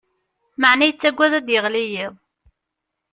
Maɛna yettaggad ad d-yeɣli yiḍ.